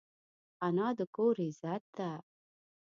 انا د کور عزت ده